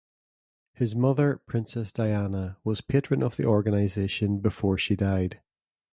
His mother Princess Diana was patron of the organization before she died.